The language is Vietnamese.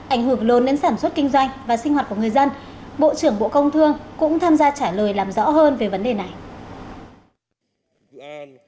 ảnh hưởng lớn đến sản xuất kinh doanh và sinh hoạt của người dân bộ trưởng bộ công thương cũng tham gia trả lời làm rõ hơn về vấn đề này